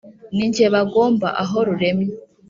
Ni jye bagomba aho ruremye,